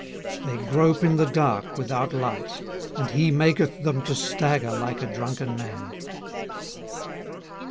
18:012:025 They grope in the dark without light, and he maketh them to stagger like a drunken man.